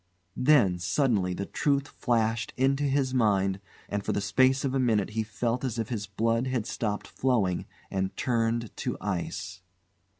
Then, suddenly, the truth flashed into his mind, and for the space of a minute he felt as if his blood had stopped flowing and turned to ice.